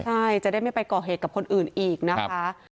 ก็ไม่ได้ไว้ไล่จับให้ใช่จะได้ไม่ไปก่อเหตุกับคนอื่นอีกนะคะ